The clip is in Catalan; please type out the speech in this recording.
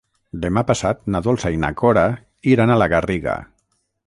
Demà passat na Dolça i na Cora iran a la Garriga.